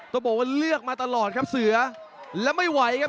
ต้องบอกว่าเลือกมาตลอดครับเสือแล้วไม่ไหวครับ